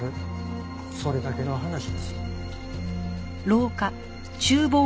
それだけの話です。